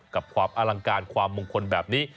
กับความอลังการความมงคลแบบนี้